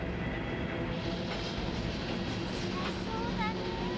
いきづらそうだねえ。